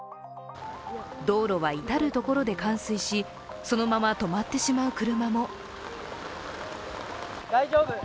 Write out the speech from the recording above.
道路は至る所で冠水し、そのまま止まってしまう車も。